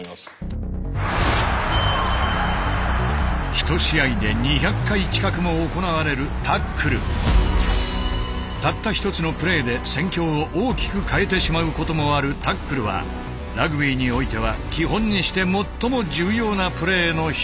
一試合で２００回近くも行われるたった一つのプレーで戦況を大きく変えてしまうこともあるタックルはラグビーにおいては基本にして最も重要なプレーの一つ。